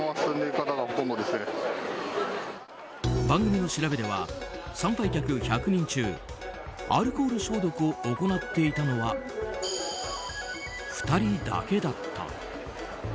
番組の調べでは参拝客１００人中アルコール消毒を行っていたのは２人だけだった。